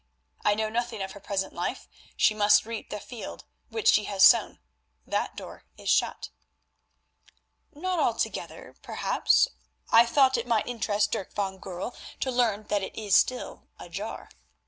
I know nothing of her present life: she must reap the field which she has sown. That door is shut." "Not altogether perhaps. I thought it might interest Dirk van Goorl to learn that it is still ajar."